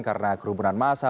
karena kerumunan masa